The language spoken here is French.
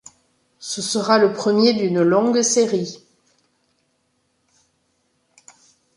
Ce sera le premier d'une longue série.